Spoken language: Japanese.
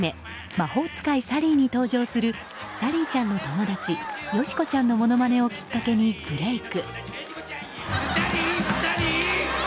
「魔法使いサリー」に登場するサリーちゃんの友達よし子ちゃんのものまねをきっかけにブレーク。